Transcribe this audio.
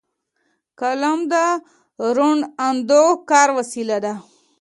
قلم د روڼ اندو کار وسیله ده